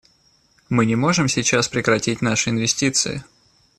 Мы не можем сейчас прекратить наши инвестиции.